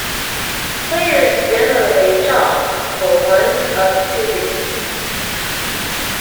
Players generally chop for one of two reasons.